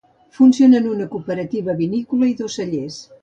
Funcionen una cooperativa vinícola i dos cellers.